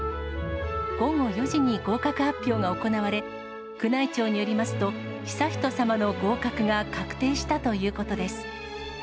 午後４時に合格発表が行われ、宮内庁によりますと、悠仁さまの合格が確定したということです。